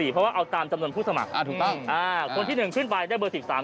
เพราะว่าเอาตามจำนวนผู้สมัครถูกต้องคนที่๑ขึ้นไปได้เบอร์๑๓